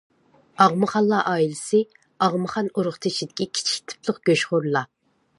ئاغمىخانلار ئائىلىسى ئاغمىخان ئۇرۇقدىشىدىكى كىچىك تىپلىق گۆشخورلار.